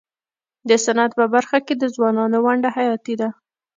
د صنعت په برخه کي د ځوانانو ونډه حیاتي ده.